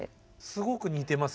すごく似てます